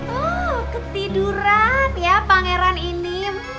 oh ketiduran ya pangeran ini